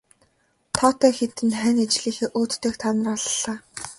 Тоотой хэдэн хань ижлийнхээ өөдтэйг та нар аллаа.